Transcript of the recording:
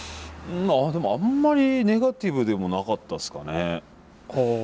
まあでもあんまりネガティブでもなかったですかね。